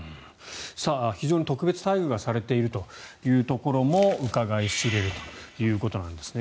非常に特別待遇されているというところもうかがい知れるということなんですね。